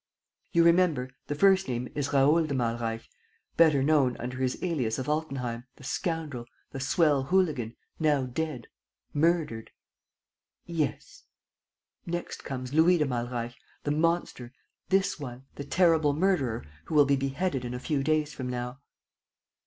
..." "You remember, the first name is Raoul de Malreich, better known under his alias of Altenheim, the scoundrel, the swell hooligan, now dead ... murdered." "Yes." "Next comes Louis de Malreich, the monster, this one, the terrible murderer who will be beheaded in a few days from now."